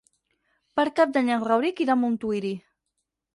Per Cap d'Any en Rauric irà a Montuïri.